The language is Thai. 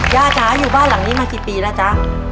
จ๋าอยู่บ้านหลังนี้มากี่ปีแล้วจ๊ะ